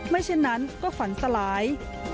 เช่นนั้นก็ฝันสลาย